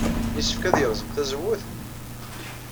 Yessefk ad yerẓem tazewwut?